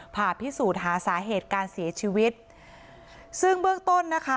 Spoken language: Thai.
ผ่าพิสูจน์หาสาเหตุการเสียชีวิตซึ่งเบื้องต้นนะคะ